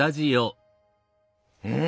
うん。